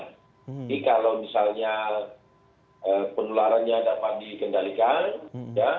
jadi kalau misalnya penularannya dapat dikendalikan